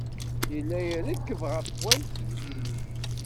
Yella irekkeb ɣef wayis.